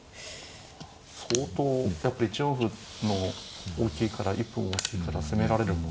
相当やっぱり１四歩の大きいから一歩も大きいから攻められるも。